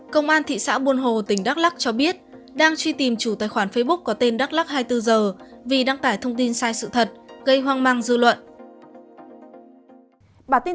công an thị xã buôn hồ tỉnh đắk lắc cho biết đang truy tìm chủ tài khoản facebook có tên đắk lắc hai mươi bốn h vì đăng tải thông tin sai sự thật gây hoang mang dư luận